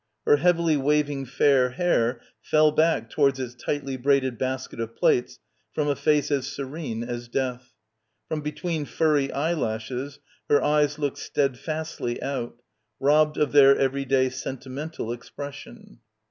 Her heavily waving fair hair fell back towards its tightly braided basket of plaits from a face as serene as death. From between furry eyelashes her eyes looked steadfastly out, robbed of their everyday sentimental expression.